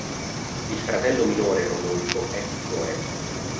Il fratello minore Rodolfo è pittore.